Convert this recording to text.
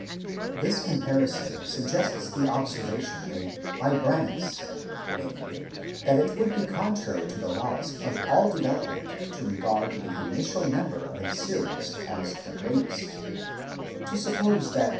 — This comparison suggests the observation made by Braniss, namely, that it would be contrary to the laws of all development to regard the initial member of a series as the greatest—to suppose that.